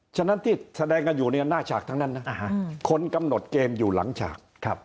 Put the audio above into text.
ฉะนั้นที่แสดงกันอยู่เนี่ยหน้าฉากทั้งนั้นนะคนกำหนดเกมอยู่หลังฉาก